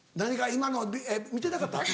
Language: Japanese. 今のえっ見てなかった？